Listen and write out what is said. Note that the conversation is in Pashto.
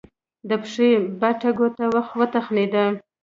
د پښې بټه ګوته وتخنېده.